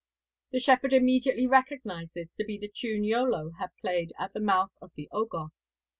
The shepherd immediately recognised this to be the tune Iolo had played at the mouth of the Ogof.